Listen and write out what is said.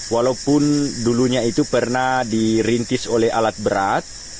walaupun dulunya itu pernah dirintis oleh alat berat